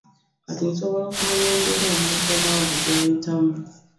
kati nsobola okumanya embeera omuntu omwavu gyayitamu.